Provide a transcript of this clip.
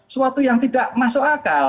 suatu yang tidak masuk akal